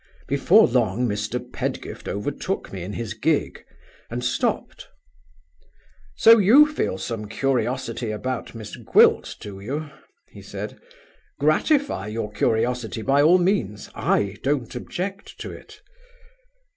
"Before long, Mr. Pedgift overtook me in his gig, and stopped. 'So you feel some curiosity about Miss Gwilt, do you?' he said. 'Gratify your curiosity by all means; I don't object to it.